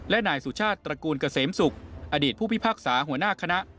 และนายสุชาติตระกูลเกษมศุกร์อดีตผู้พิพากษาหัวหน้าคณะ